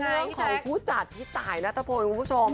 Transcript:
เรื่องของผู้จัดที่สายันทศพกรุงบุคกษมณฑ์